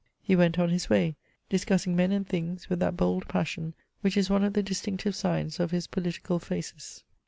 He went on his way, discus sing men and things, with that bold passion which is one of the distinctive signs of his political phasis.